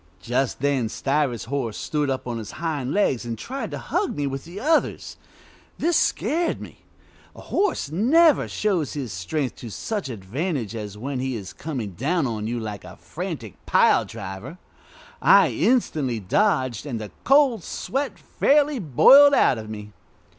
Just then Stiver's horse stood up on his hind legs and tried to hug me with the others. This scared me. A horse never shows his strength to such advantage as when he is coming down on you like a frantic pile driver. I instantly dodged, and the cold sweat fairly boiled out of me.